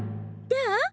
どう？